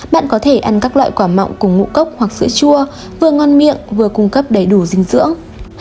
bạn có thể ăn các loại quả mọng cùng ngũ cốc hoặc sữa chua vừa ngon miệng vừa cung cấp đầy đủ dinh dưỡng